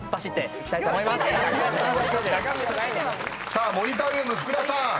［さあモニタールーム福田さん